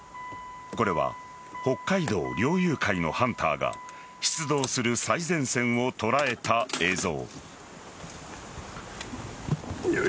これは北海道猟友会のハンターが出動する最前線を捉えた映像。